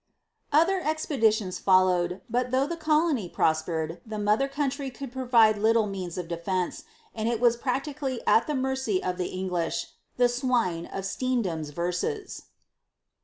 Other expeditions followed, but though the colony prospered, the mother country could provide little means of defence, and it was practically at the mercy of the English the "swine" of Steendam's verses.